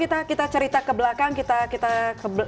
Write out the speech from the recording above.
kalau kita cerita ke belakang kita cerita ke belakang